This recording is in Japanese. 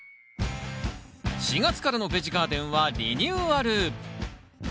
４月からの「ベジガーデン」はリニューアル！